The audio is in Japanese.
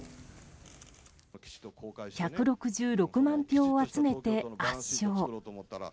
１６６万票を集めて圧勝。